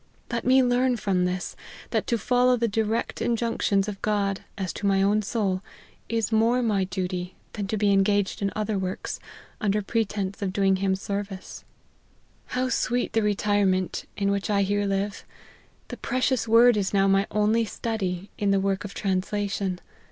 Let me learn from this, that to follow the direct injunctions of God, as to my own soul, is more my duty, than to be engaged in other works, under pretence of doing him service. 1 " 12 102 LIFE OF HENRY MARTYN. " How sweet the retirement in which I here live. The precious word is now my only study, in the work of translation.